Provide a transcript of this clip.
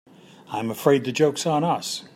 I'm afraid the joke's on us.